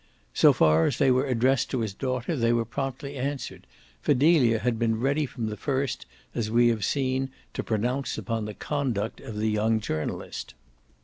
So far as they were addressed to his daughter they were promptly answered, for Delia had been ready from the first, as we have seen, to pronounce upon the conduct of the young journalist.